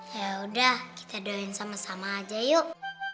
yaudah kita doain sama sama aja yuk